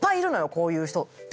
こういう人って。